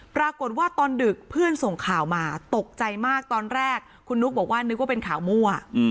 ปรากฏว่าตอนดึกเพื่อนส่งข่าวมาตกใจมากตอนแรกคุณนุ๊กบอกว่านึกว่าเป็นข่าวมั่ว